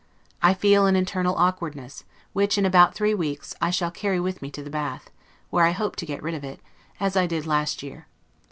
I feel an internal awkwardness, which, in about three weeks, I shall carry with me to the Bath, where I hope to get rid of it, as I did last year.